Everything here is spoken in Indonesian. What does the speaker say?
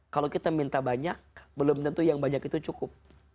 kalau kita minta banyak belum tentu yang banyak itu cukup